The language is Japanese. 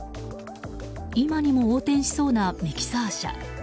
今にも横転しそうなミキサー車。